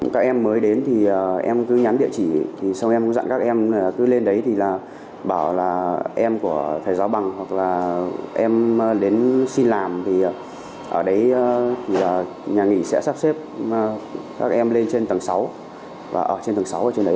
các em mới đến thì em cứ nhắn địa chỉ sau em cũng dặn các em cứ lên đấy thì bảo là em của thầy giáo bằng hoặc là em đến xin làm thì ở đấy nhà nghị sẽ sắp xếp các em lên trên tầng sáu